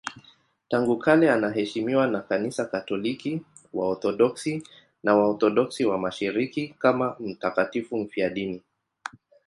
Tangu kale anaheshimiwa na Kanisa Katoliki, Waorthodoksi na Waorthodoksi wa Mashariki kama mtakatifu mfiadini.